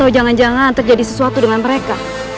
oh jangan jangan terjadi sesuatu dengan mereka